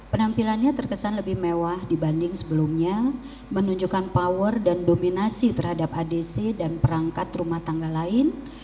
penampilannya terkesan lebih mewah dibanding sebelumnya menunjukkan power dan dominasi terhadap adc dan perangkat rumah tangga lain